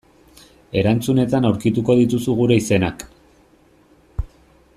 Erantzunetan aurkituko dituzu gure izenak.